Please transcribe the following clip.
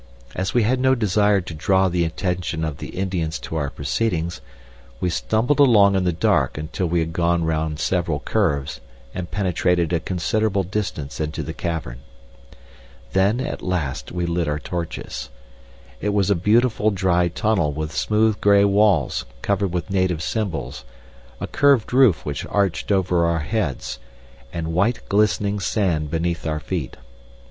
As we had no desire to draw the attention of the Indians to our proceedings, we stumbled along in the dark until we had gone round several curves and penetrated a considerable distance into the cavern. Then, at last, we lit our torches. It was a beautiful dry tunnel with smooth gray walls covered with native symbols, a curved roof which arched over our heads, and white glistening sand beneath our feet.